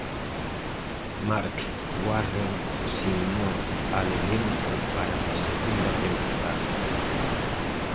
Marc Warren se unió al elenco para la segunda temporada.